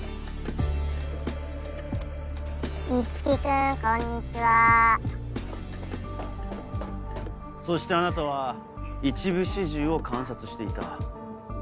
樹君こんにちそしてあなたは一部始終を観察していた。